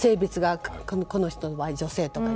この人の場合は性別が女性とか。